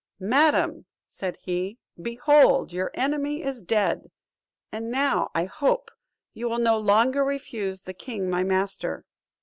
"Madam," said he, "behold your enemy is dead; and now, I hope, you will no longer refuse the king my master."